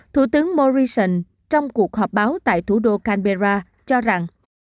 thủ tướng morrison trong cuộc họp báo tại thủ đô canberra cho rằng